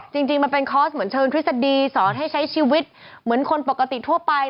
จริงมันเป็นคอร์สเหมือนเชิงทฤษฎีสอนให้ใช้ชีวิตเหมือนคนปกติทั่วไป